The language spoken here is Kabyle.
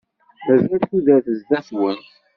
Mazal tudert zdat-wen.